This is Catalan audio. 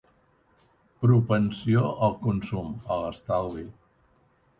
Propensió al consum, a l'estalvi.